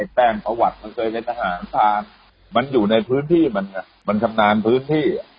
แป้งประวัติมันเคยเป็นทหารทางมันอยู่ในพื้นที่มันชำนาญพื้นที่